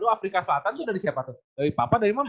afrika selatan itu dari siapa tuh dari papa dari mana